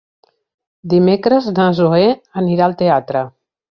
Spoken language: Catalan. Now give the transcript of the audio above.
Dimecres na Zoè anirà al teatre.